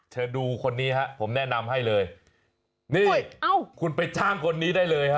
เชิญดูคนนี้ฮะผมแนะนำให้เลยนี่คุณไปจ้างคนนี้ได้เลยฮะ